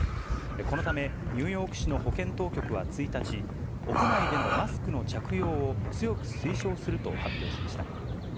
このためニューヨーク市の保健当局は１日、屋内でのマスクの着用を強く推奨すると発表しました。